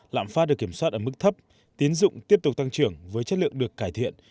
lạm phát được kiểm soát ở mức thấp tiến dụng tiếp tục tăng trưởng với chất lượng được cải thiện